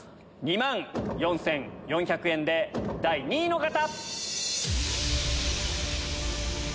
２万４４００円で第２位の方！